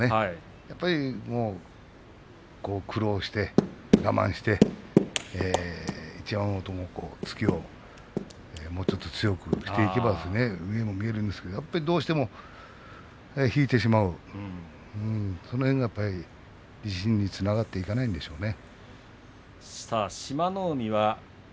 やっぱり苦労して我慢して一山本の突きをもうちょっと強くしていけば上が見えるんですけれどもどうしても引いてしまうその辺が自信につながっていかないんでしょうね。